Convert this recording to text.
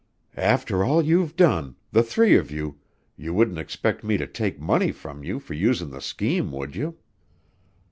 "After all you've done the three of you you wouldn't expect me to take money from you for usin' the scheme, would you?